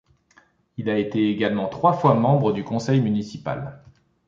Il a été également trois fois membre du conseil municipal.